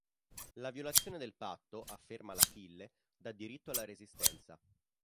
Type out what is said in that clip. La violazione del patto, afferma l"'Achille", da diritto alla resistenza.